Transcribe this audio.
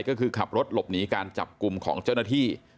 ก็คือขับรถหลบหนีการจับกลุ่มของเจ้าหน้าที่